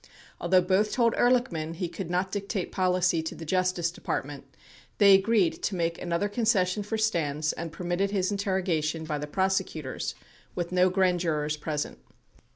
22 Although both told Ehrlichman he could not dictate policy to the J ustice Depart ment, they agreed to make another concession for Stans and permitted his interrogation by the prosecutors with no grand jurors present.